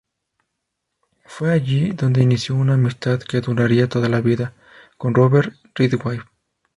Fue allí donde inició una amistad que duraría toda la vida con Robert Ridgway.